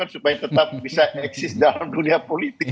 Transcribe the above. supaya tetap bisa eksis dalam dunia politik